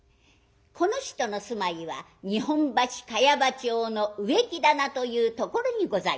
この人の住まいは日本橋茅場町の植木店というところにございました。